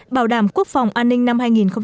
bảo đảm quốc phòng an ninh năm hai nghìn một mươi bảy